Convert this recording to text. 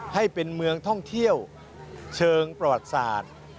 ให้เป็นเมืองท่องเที่ยวเชิงประวัติศาสตร์